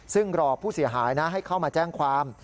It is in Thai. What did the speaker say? ซึ่งรอผู้เสียหายนะให้เข้ามาแจ้งความ